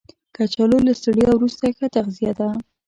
کچالو له ستړیا وروسته ښه تغذیه ده